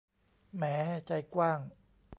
แหม ใจกว้าง